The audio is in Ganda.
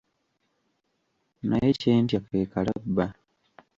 Naye kye ntya ke kalabba.